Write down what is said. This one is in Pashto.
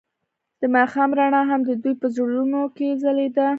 د ماښام رڼا هم د دوی په زړونو کې ځلېده.